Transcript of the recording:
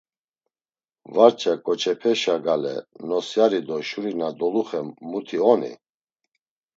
Varça ǩoçepeşa gale nosyari do şuri na doluxen mutu oni?